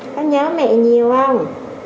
có nhớ mẹ nhiều không